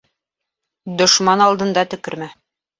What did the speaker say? Дошман алдында төкөрмә.